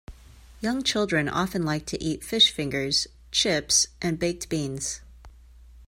Young children often like to eat fish fingers, chips and baked beans